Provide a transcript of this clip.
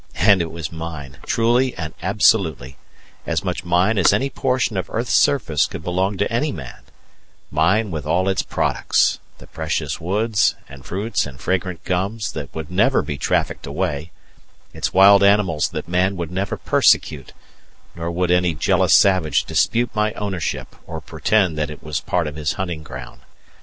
And it was mine, truly and absolutely as much mine as any portion of earth's surface could belong to any man mine with all its products: the precious woods and fruits and fragrant gums that would never be trafficked away; its wild animals that man would never persecute; nor would any jealous savage dispute my ownership or pretend that it was part of his hunting ground.